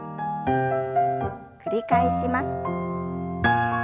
繰り返します。